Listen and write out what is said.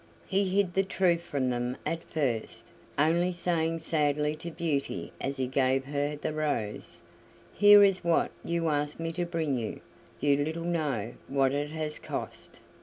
He hid the truth from them at first, only saying sadly to Beauty as he gave her the rose: "Here is what you asked me to bring you; you little know what it has cost."